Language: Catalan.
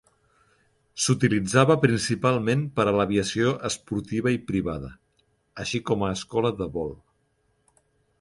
S'utilitzava principalment per a l'aviació esportiva i privada; així com a escola de vol.